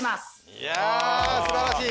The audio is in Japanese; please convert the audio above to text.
いやーすばらしい！